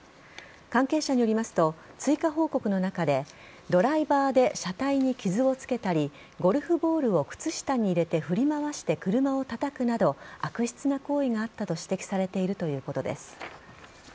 関係者によりますと追加報告の中でドライバーで車体に傷を付けたりゴルフボールを靴下に入れて振り回して車をたたくなど悪質な行為があったと指摘されているということです。